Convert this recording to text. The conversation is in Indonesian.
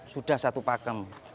sudah satu pakem